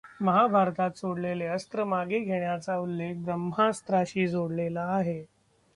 महाभारतात सोडलेले अस्त्र मागे घेण्याचा उल्लेख ब्रम्हास्त्रा शी जोडलेला आहे.